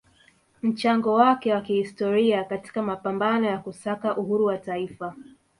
mchango wake wa kihistoria katika mapambano ya kusaka uhuru wa taifa